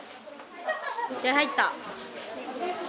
気合い入った。